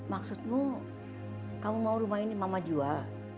maksudmu kamu mau rumah ini mama jual